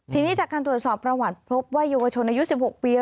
ทีนี้จากการตรวจสอบประวัติพบว่าเยาวชนอายุ๑๖ปี